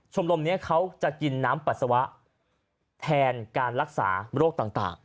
ลมนี้เขาจะกินน้ำปัสสาวะแทนการรักษาโรคต่าง